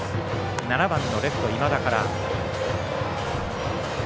７番のレフト今田から。